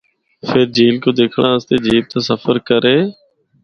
فر جھیل کو دکھنڑا اسطے جیپ دا سفر کرّے۔